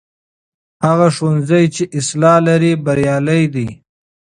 هغه ښوونځی چې اصلاح لري بریالی دی.